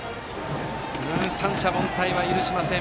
三者凡退は許しません。